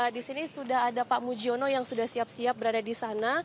di sini sudah ada pak mujiono yang sudah siap siap berada di sana